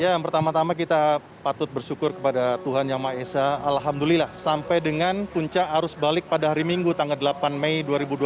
ya yang pertama tama kita patut bersyukur kepada tuhan yang maha esa alhamdulillah sampai dengan puncak arus balik pada hari minggu tanggal delapan mei dua ribu dua puluh